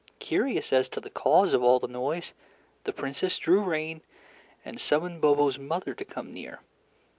Curious as to the cause of all the noise, the Princess drew rein, and summoned Bobo's mother to come near.